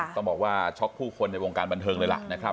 ต้องบอกว่าช็อกผู้คนในวงการบันเทิงเลยล่ะนะครับ